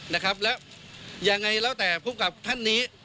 นะครับแล้วยังไงแล้วแต่ภูมิกับท่านนี้